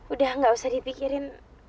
udah gak usah dipikirin